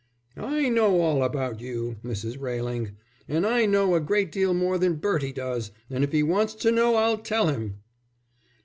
"I know all about you, Mrs. Railing. And I know a great deal more than Bertie does, and if he wants to know I'll tell him."